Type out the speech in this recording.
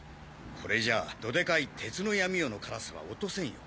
これじゃあどデカい鉄の闇夜のカラスは落とせんよ。